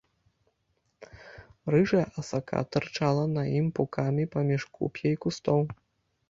Рыжая асака тырчала на ім пукамі паміж куп'я і кустоў.